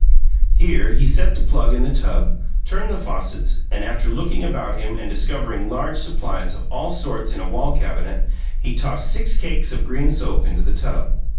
Here he set the plug in the tub, turned the faucets, and, after looking about him and discovering large supplies of all sorts in a wall cabinet, he tossed six cakes of green soap into the tub.